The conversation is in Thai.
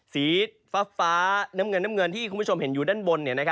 สีฟ้าน้ำเงินที่คุณผู้ชมเห็นอยู่ด้านบน